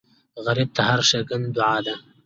غریب ته هره ښېګڼه دعا ده